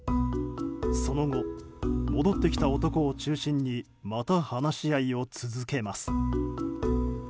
その後、戻ってきた男を中心にまた話し合いを続けます。